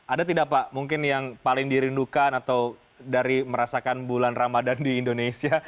ada tidak pak mungkin yang paling dirindukan atau dari merasakan bulan ramadhan di indonesia